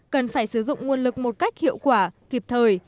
cần phải sử dụng nguồn lực một cách hiệu quả kịp thời